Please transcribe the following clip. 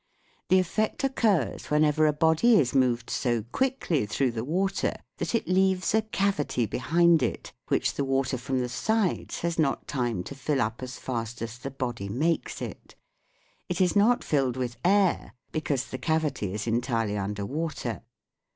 The effect occurs whenever a body is moved so quickly through the water that it leaves a cavity behind it which the water from the sides has not time to fill up as fast as the body makes it. It is not filled with air, because the cavity is entirely under water.